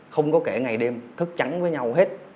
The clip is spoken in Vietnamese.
không có kể ngày đêm thức trắng với nhau hết